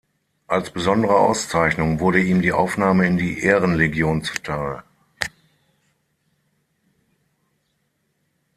Als besondere Auszeichnung wurde ihm die Aufnahme in die Ehrenlegion zu Teil.